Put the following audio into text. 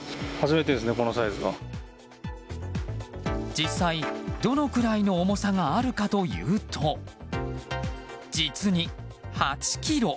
実際、どのくらいの重さがあるかというと実に８ｋｇ。